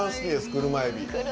車エビ。